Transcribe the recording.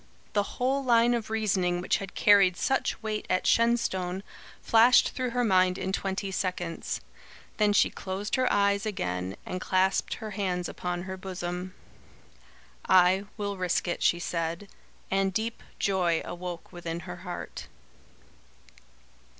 The whole line of reasoning which had carried such weight at Shenstone flashed through her mind in twenty seconds. Then she closed her eyes again and clasped her hands upon her bosom. "I will risk it," she said; and deep joy awoke within her heart.